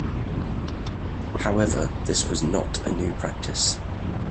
However, this was not a new practice.